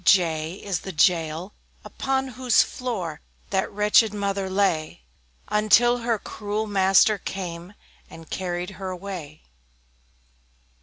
J J is the Jail, upon whose floor That wretched mother lay, Until her cruel master came, And carried her away.